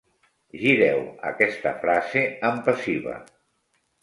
Gireu aquesta frase en passiva.